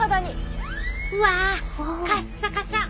うわカッサカサ。